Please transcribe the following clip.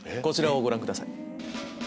こちらをご覧ください。